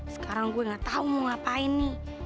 sekarang gue gak tau mau ngapain nih